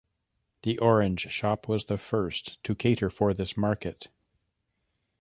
The Orange shop was the first to cater for this market.